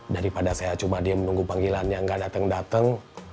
daripada saya cuma diem menunggu panggilannya nggak dateng dateng